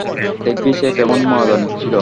দেখবি সে কেমন মজা নিচ্ছিল?